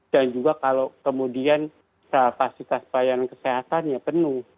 dan juga kalau kemudian pasitas bayaran kesehatannya penuh